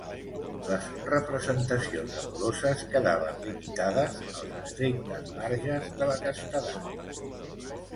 Les representacions amoroses quedaven limitades als estrictes marges de la castedat.